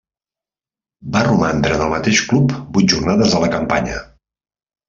Va romandre en el mateix club vuit jornades de la campanya.